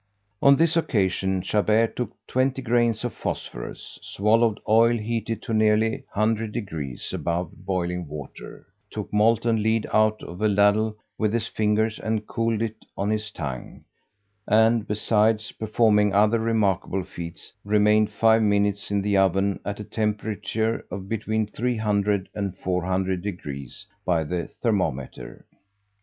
On this occasion Chabert took 20 grains of phosphorus, swallowed oil heated to nearly 100 degrees above boiling water, took molten lead out of a ladle with his fingers and cooled it on his tongue; and, besides performing other remarkable feats, remained five minutes in the oven at a temperature of between 300 and 400 degrees by the thermometer.